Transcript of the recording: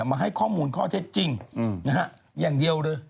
มาให้ข้อมูลข้อเท็จจริงอย่างเดียวเลย